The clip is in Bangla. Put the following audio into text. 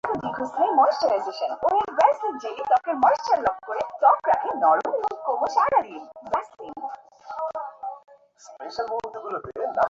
পরে আলোচনা অনুষ্ঠানে সভাপতিত্ব করেন গণসংহতি আন্দোলনের প্রধান সমন্বয়কারী জোনায়েদ সাকী।